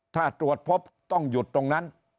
ถ้าตรวจพบต้องหยุดตรงนั้น